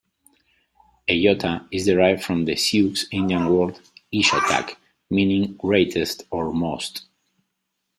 Eyota is derived from the Sioux Indian word "iyotak", meaning "greatest" or "most".